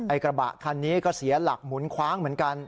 กระบะคันนี้ก็เสียหลักหมุนคว้างเหมือนกัน